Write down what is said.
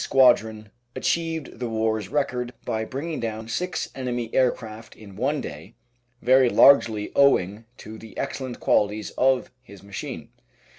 43 Squadron achieved the war's record by bringing down six enemy aircraft in one day, very largely owing to the excellent qualities of his machine.